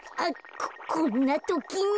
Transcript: ここんなときに。